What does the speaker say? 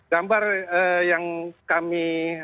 gambar yang kami